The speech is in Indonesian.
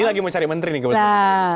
lagi lagi mau cari menteri nih kebetulan